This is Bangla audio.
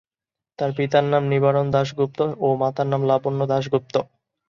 তার পিতার নাম নিবারণ দাশগুপ্ত ও মাতার নাম লাবণ্য দাশগুপ্ত।